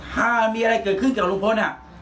ถ้ามีอะไรเกิดขึ้นกับลุงพล